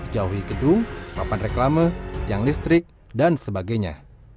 jauhi gedung papan reklama jang listrik dan sebagainya